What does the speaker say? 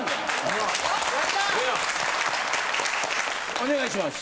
お願いします。